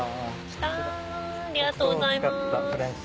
来たありがとうございます。